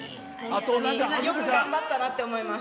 よく頑張ったなって思います。